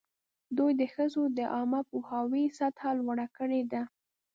دوی د ښځو د عامه پوهاوي سطحه لوړه کړې ده.